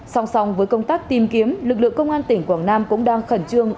song song với công tác tìm kiếm lực lượng công an tỉnh quảng nam cũng đang khẩn trương